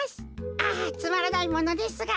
あっつまらないものですが。